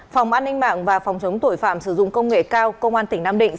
phòng an ninh mạng và phòng chống tội phạm sử dụng công nghệ cao công an tỉnh nam định